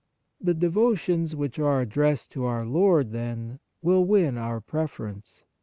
The devotions which are addressed to our Lord, then, will win our pre ference.